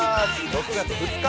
６月２日